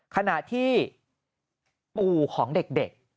ขณะที่ปู่ของเด็ก